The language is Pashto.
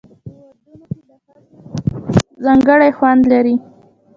په ودونو کې د ښځو ټپې ځانګړی خوند لري.